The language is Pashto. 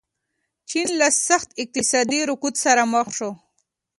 چین له سخت اقتصادي رکود سره مخ شو.